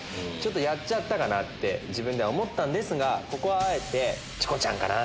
やっちゃったかなって自分では思ったんですがここはあえてチコちゃんかな。